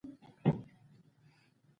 بریتور شپانه راکښته شو د غر نه